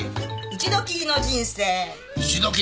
一度きりの人生。